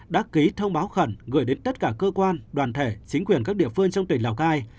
đã ký thông báo khẩn gửi đến tất cả cơ quan đoàn thể chính quyền các địa phương trong tỉnh lào cai